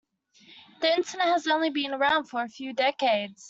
The internet has only been around for a few decades.